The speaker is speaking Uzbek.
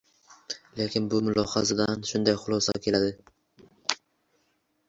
Lekin bu mulohazadan shunday xulosa keladi.